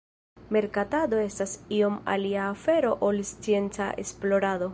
Merkatado estas iom alia afero ol scienca esplorado.